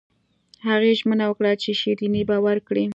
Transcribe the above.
هغې ژمنه وکړه چې شیریني به ورکړي